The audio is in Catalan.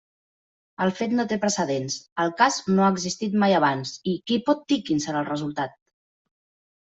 El fet no té precedents; el cas no ha existit mai abans; i ¿qui pot dir quin serà el resultat?